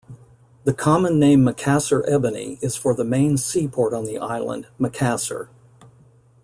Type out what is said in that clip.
The common name Makassar ebony is for the main seaport on the island, Makassar.